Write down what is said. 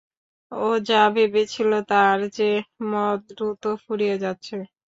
ও যা ভেবেছিল তার চেয়ে মদ দ্রুত ফুরিয়ে যাচ্ছে।